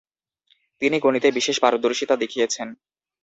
তিনি গণিতে বিশেষ পারদর্শিতা দেখিয়েছেন।